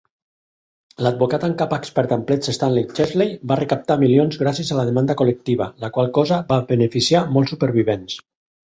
L'advocat en cap expert en plets Stanley Chesley va recaptar milions gràcies a la demanda col·lectiva, la qual cosa va beneficiar molts supervivents.